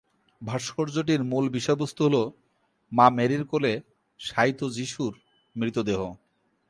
ভাস্কর্যটির মূল বিষয়বস্তু হল, মা মেরির কোলে শায়িত যিশুর মৃতদেহ।